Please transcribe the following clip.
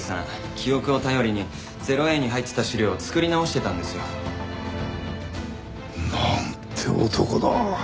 記憶を頼りに０−Ａに入ってた資料を作り直してたんですよ。なんて男だ。